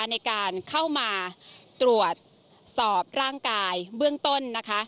ในการเข้ามาตรวจสอบร่างกายเบื้องต้นนะคะ